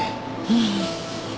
うん。